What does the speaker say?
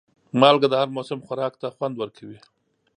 مالګه د هر موسم خوراک ته خوند ورکوي.